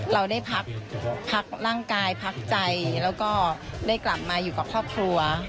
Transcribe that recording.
เราได้พักร่างกายพักใจแล้วก็ได้กลับมาอยู่กับครอบครัว